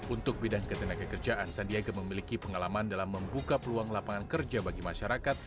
untuk bidang ketenagakerjaan sandiaga memiliki pengalaman dalam membuka peluang lapangan kerja bagi masyarakat